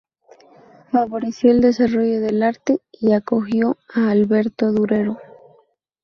Favoreció el desarrollo del arte y acogió a Alberto Durero.